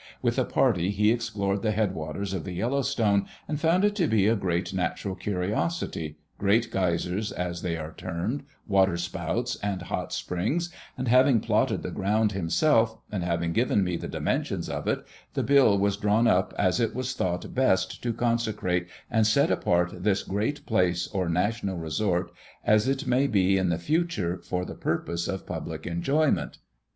With a party he explored the headwaters of the Yellowstone and found it to be a great natural curiosity, great geysers as they are termed, waterspouts, and hot springs, and having plotted the ground himself, and having given me the dimensions of it, the bill was drawn up, as it was thought best to consecrate and set apart this great place or national resort, as it may be in the future, for the purpose of public enjoyment."